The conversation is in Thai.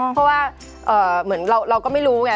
เพราะว่าเหมือนเราก็ไม่รู้ไง